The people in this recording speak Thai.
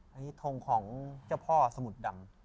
อันนี้ทงของเจ้าพ่อสมุทรดำ